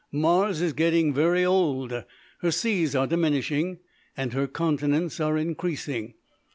"Mars is getting very old, her seas are diminishing, and her continents are increasing.